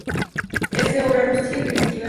Es de obra rústica y primitiva.